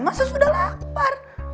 masa sudah lapar